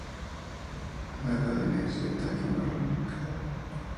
La cadena es recta y no ramificada.